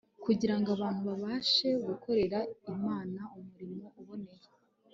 kugira ngo abantu babashe gukorera imana umurimo uboneye